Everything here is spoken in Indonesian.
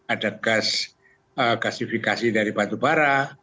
ada gasifikasi dari batu bara